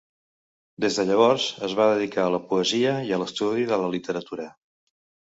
Des de llavors es va dedicar a la poesia i a l'estudi de la literatura.